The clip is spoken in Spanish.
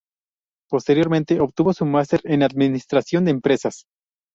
Posteriormente obtuvo su Máster en Administración de Empresas.